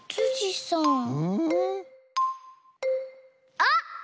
あっ！